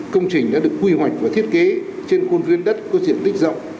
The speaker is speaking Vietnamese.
công trình đã được quy hoạch và thiết kế trên khuôn viên đất có diện tích rộng